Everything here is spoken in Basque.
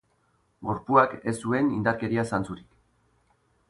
Gorpuak ez zuen indarkeria zantzurik.